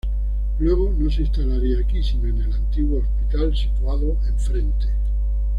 Luego no se instalaría aquí, sino en el antiguo Hospital situado enfrente.